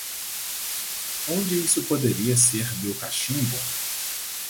Onde isso poderia ser meu cachimbo?